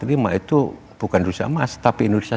itu bukan rusia emas tapi indonesia